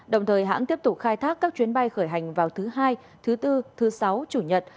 đồng thời hãng tiếp tục khai thác các chuyến bay khởi hành vào thứ hai thứ bốn thứ sáu chủ nhật